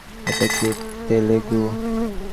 এটা কি তেলেগু?